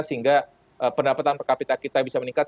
sehingga pendapatan perkapita kita bisa meningkat